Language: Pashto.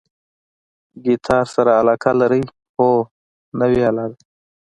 ګیتار سره علاقه لرئ؟ هو، نوی آله ده